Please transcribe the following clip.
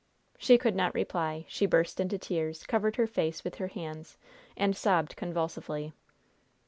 She could not reply. She burst into tears, covered her face with her hands, and sobbed convulsively.